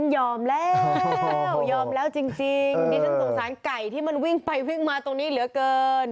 ยอมแล้วยอมแล้วจริงดิฉันสงสารไก่ที่มันวิ่งไปวิ่งมาตรงนี้เหลือเกิน